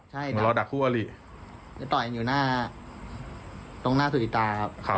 ใช่เหมือนรอดักคู่อาหรี่จะต่อยอยู่หน้าตรงหน้าสุริตาครับ